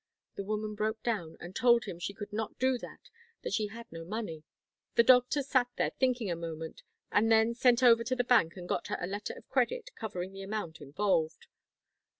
The woman broke down and told him she could not do that, that she had no money. The doctor sat there thinking a moment, and then sent over to the bank and got her a letter of credit covering the amount involved.